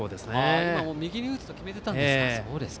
右に打つと決めていたんですね。